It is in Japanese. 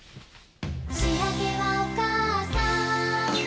「しあげはおかあさん」